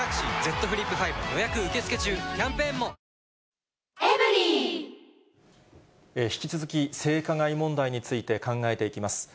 続く引き続き、性加害問題について考えていきます。